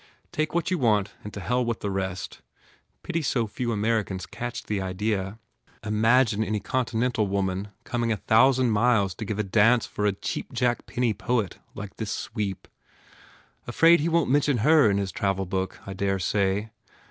Take what you want and to hell with the rest. Pity so few Americans catch the idea. Imagine any con tinental woman coming a thousand miles to give a GURDY dance for a cheapjack penny poet like this sweep. Afraid he won t mention her in his travel book, I dare say.